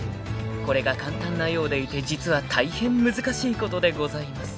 ［これが簡単なようでいて実は大変難しいことでございます］